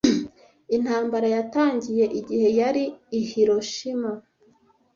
Intambara yatangiye igihe yari i Hiroshima.